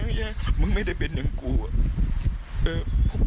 เนี่ยมึงไม่ได้เป็นตัวอย่างกูอ่ะ